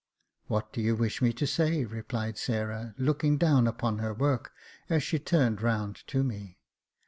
" What do you wish me to say?" replied Sarah, looking down upon her work, as she turned round to me.